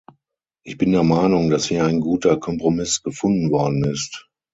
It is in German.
Ich bin der Meinung, dass hier ein guter Kompromiss gefunden worden ist.